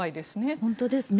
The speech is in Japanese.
本当ですね。